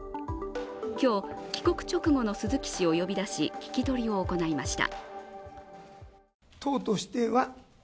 今日、帰国直後の鈴木氏を呼び出し聞き取りを行いました。